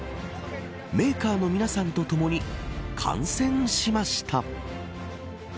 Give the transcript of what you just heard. メーカーの皆さんとともに観戦しました。